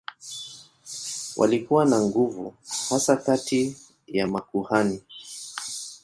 Walikuwa na nguvu hasa kati ya makuhani.